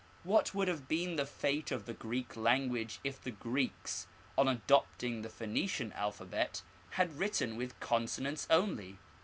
What would have been the fate of the Greek language if the Greeks, on adopting the Phoenician alphabet, had written with consonants only